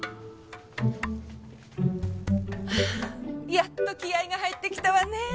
やっと気合が入ってきたわねぇ。